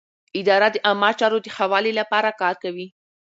اداره د عامه چارو د ښه والي لپاره کار کوي.